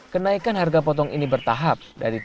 kenaikan harga potong ini bertahap